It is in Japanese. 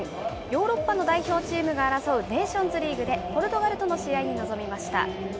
ヨーロッパの代表チームが争うネーションズリーグでポルトガルとの試合に臨みました。